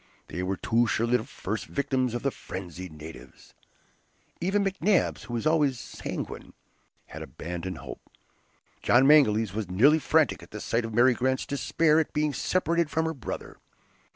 They were too surely the first victims of the frenzied natives. Even McNabbs, who was always sanguine, had abandoned hope. John Mangles was nearly frantic at the sight of Mary Grant's despair at being separated from her brother.